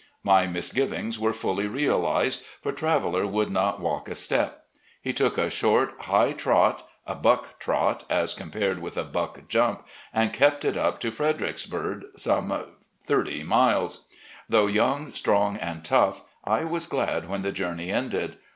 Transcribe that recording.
My misgivings were fully realised, for Traveller would not walk a step. He took a short, high trot — a, buck trot, as compared with a buck jump — ^and kept it .up to Fredericksburg, some thirty miles. Though young, strong, and tough, I was glad when the journey ended.